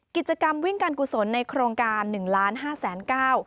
กิจกรรมวิ่งการกุศลในโครงการ๑๕๐๐๐๐๐เก้า